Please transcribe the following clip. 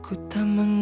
gak jauh ya pak